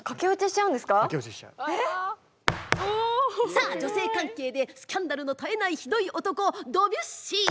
さあ女性関係でスキャンダルの絶えないひどい男ドビュッシー。